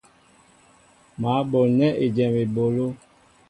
Mă ɓolnέ ejém ebolo.